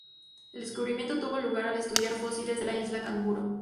El descubrimiento tuvo lugar al estudiar fósiles de la Isla Canguro.